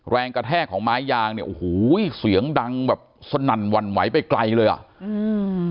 แรงกระแทกของไม้ยางเนี่ยโอ้โหเสียงดังแบบสนั่นหวั่นไหวไปไกลเลยอ่ะอืม